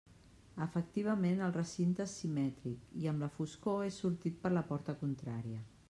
Efectivament, el recinte és simètric i amb la foscor he sortit per la porta contrària.